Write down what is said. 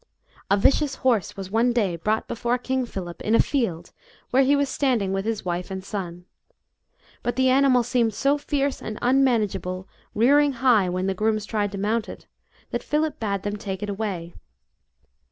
A vicious horse was one day brought before King Philip in a field where he was standing with his wife and son. But the animal seemed so fierce and unmanageable, rearing high when the grooms tried to mount it, that Philip bade them take it away.